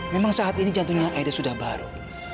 memang saat ini jantungnya aede sudah baru